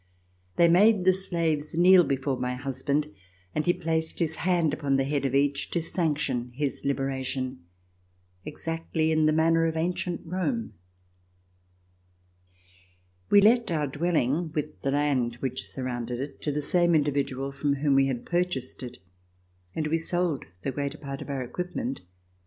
They made the slaves kneel before my husband, and he placed his hand upon the head of each to sanction his liberation, exactly in the manner of ancient Rome. We let our dwelling, with the land which sur rounded it, to the same individual from whom we had purchased it, and we sold the greater part of our equipment.